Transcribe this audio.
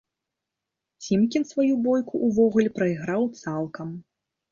Цімкін сваю бойку ўвогуле праіграў цалкам.